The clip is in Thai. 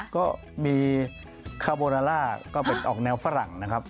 ก็มีคาโบนาล่าก็เป็นออกแนวฝรั่งนะครับ